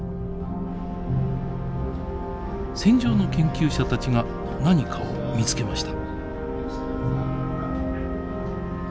船上の研究者たちが何かを見つけました。